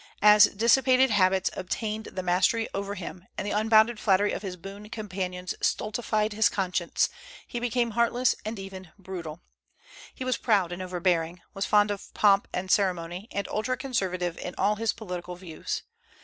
As dissipated habits obtained the mastery over him, and the unbounded flattery of his boon companions stultified his conscience, he became heartless and even brutal. He was proud and overbearing; was fond of pomp and ceremony, and ultra conservative in all his political views.